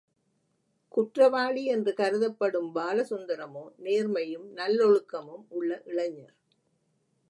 குற்றவாளி என்று கருதப்படும் பாலசுந்தரமோ நேர்மையும் நல்லொழுக்கமும் உள்ள இளைஞர்.